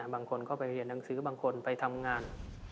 บางคนก็ไปเรียนหนังสือบางคนไปทำงาน